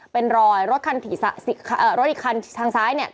เป็นรอยรถอีกคันทางซ้ายเนี่ย